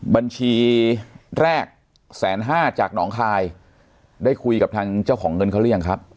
บัญชีแรกแสนห้าจากหนองคายได้คุยกับทางเจ้าของเงินเขาหรือยังครับ